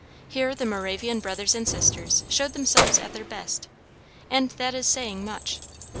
Here the Moravian brothers and sisters showed themselves at their best, and that is saying much.